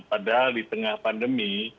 padahal di tengah pandemi